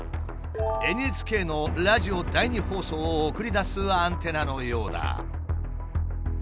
ＮＨＫのラジオ第２放送を送り出すアンテナのようだ。